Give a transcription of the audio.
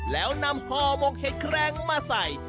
แล้วนำห่อหมกเห็ดแครงมาใส่